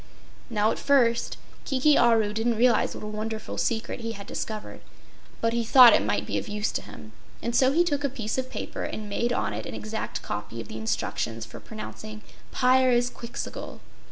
Now, at first, Kiki Aru didn't realize what a wonderful secret he had discovered; but he thought it might be of use to him and so he took a piece of paper and made on it an exact copy of the instructions for pronouncing Pyrzqxgl.